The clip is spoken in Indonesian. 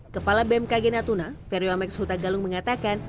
kepala bmkg natuna feriwamex huta galung mengatakan